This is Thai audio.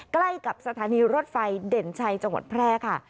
ใกล้กับสถานีรถไฟเด่นชัยจังหวัดแพร่ค่ะ